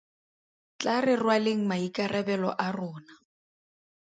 Tlaa re rwaleng maikarabelo a rona.